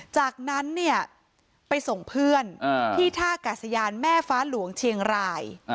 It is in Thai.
จากนั้นเนี่ยไปส่งเพื่อนที่ท่ากาศยานแม่ฟ้าหลวงเชียงราย